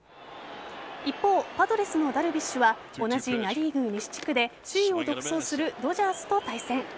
一方、パドレスのダルビッシュは同じナ・リーグ西地区で首位を独走するドジャースと対戦。